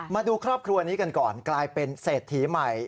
มาดูครอบครัวนี้กันก่อนกลายเป็นเศรษฐีใหม่